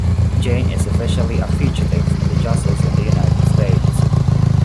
Jain is officially a fugitive from justice in the United States.